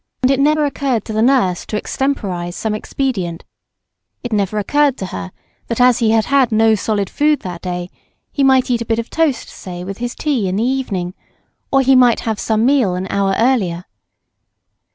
And it never occurred to the nurse to extemporize some expedient, it never occurred to her that as he had had no solid food that day he might eat a bit of toast (say) with his tea in the evening, or he might have some meal an hour earlier.